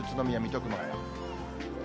前橋、宇都宮、水戸、熊谷。